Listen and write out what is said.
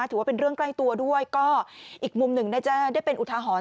ถือว่าเป็นเรื่องใกล้ตัวด้วยก็อีกมุมหนึ่งน่าจะได้เป็นอุทาหรณ์